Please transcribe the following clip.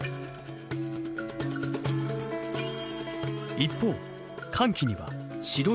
一方乾季には白い層。